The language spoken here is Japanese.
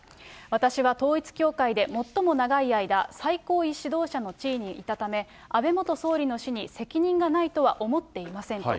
私は統一教会で最も長い間、最高位指導者の地位にいたため、安倍元総理の死に責任がないとは思っていませんと。